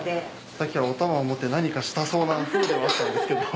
さっきからおたまを持って何かしたそうなふうではあったんですけど。